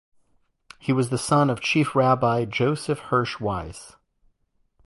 He was the son of Chief Rabbi Joseph Hirsch Weiss.